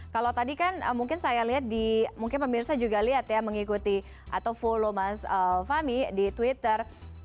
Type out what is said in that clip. kalau tadi kan mungkin saya lihat di mungkin pemirsa juga lihat ya mengikuti atau follow mas fahmi di twitter